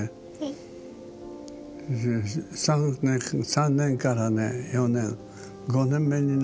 ３年からね４年５年目になるとね